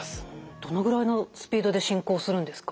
どのぐらいのスピードで進行するんですか？